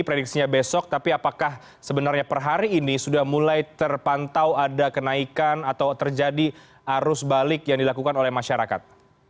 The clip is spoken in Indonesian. prediksinya besok tapi apakah sebenarnya per hari ini sudah mulai terpantau ada kenaikan atau terjadi arus balik yang dilakukan oleh masyarakat